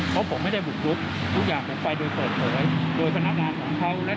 เพราะผมไม่ได้บุกรุกทุกอย่างเป็นไปโดยส่วนเผย